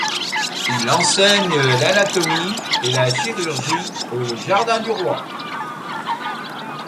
Il enseigne l'anatomie et la chirurgie au Jardin du roi.